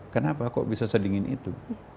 kenapa kok bisa sedingin itu